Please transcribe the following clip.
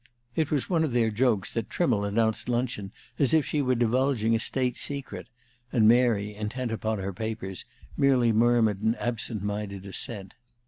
It was one of their jokes that Trimmle announced luncheon as if she were divulging a state secret, and Mary, intent upon her papers, merely murmured an absent minded assent.